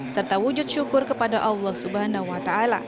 serta wujud syukur kepada allah swt